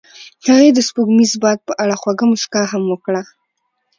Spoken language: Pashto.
هغې د سپوږمیز باد په اړه خوږه موسکا هم وکړه.